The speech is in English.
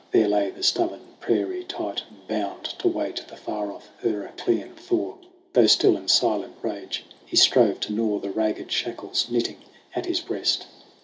There lay the stubborn Prairie Titan bound, To wait the far off Heraclean thaw, Though still in silent rage he strove to gnaw The ragged shackles knitting at his breast.